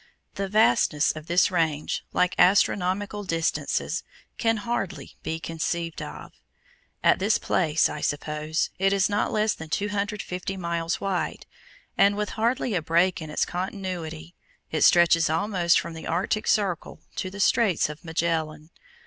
The vastness of this range, like astronomical distances, can hardly be conceived of. At this place, I suppose, it is not less than 250 miles wide, and with hardly a break in its continuity, it stretches almost from the Arctic Circle to the Straits of Magellan.